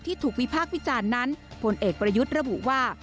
ถูกวิพากษ์วิจารณ์นั้นพลเอกประยุทธ์ระบุว่า